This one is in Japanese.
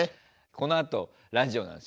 このあとラジオなんですよ